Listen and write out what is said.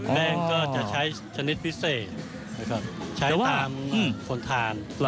แป้งก็จะใช้ชนิดพิเศษนะครับใช้ตามคนทาน